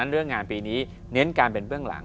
เรื่องงานปีนี้เน้นการเป็นเบื้องหลัง